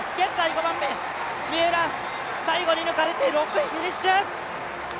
三浦、最後に抜かれて、６位フィニッシュ。